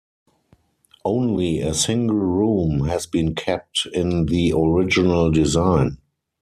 Only a single room has been kept in the original design.